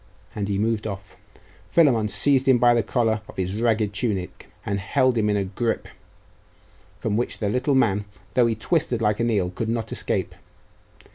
And he moved off. Philammon seized him by the collar of his ragged tunic, and held him in a gripe from which the little man, though he twisted like an eel could not escape.